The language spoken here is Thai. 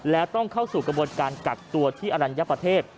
แล้วต้องเข้าสู่กระบวนการกักตัวที่อรัญญประเทศ